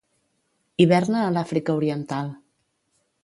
Hiverna a l'Àfrica oriental.